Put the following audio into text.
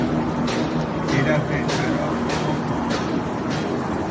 Elle avait alors trente ans.